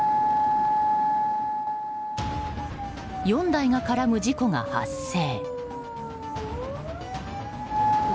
４台が絡む事故が発生。